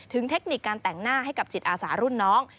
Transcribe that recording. เทคนิคการแต่งหน้าให้กับจิตอาสารุ่นน้อง